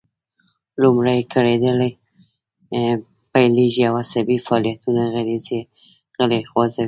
لومړی ګړیدل پیلیږي او عصبي فعالیتونه غږیز غړي خوځوي